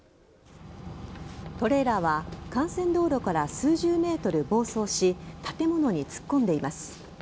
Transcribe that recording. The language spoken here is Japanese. トレーラーは幹線道路から数十ｍ暴走し建物に突っ込んでいます。